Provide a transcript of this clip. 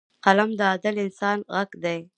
قلم د عادل انسان غږ دی